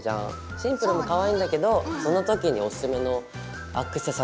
シンプルもかわいいんだけどその時におすすめのアクセサリーとかってないかな？